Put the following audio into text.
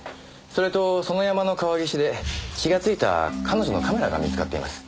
それとその山の川岸で血が付いた彼女のカメラが見つかっています。